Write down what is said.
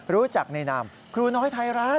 รู้จักในนามครูน้อยไทยรัฐ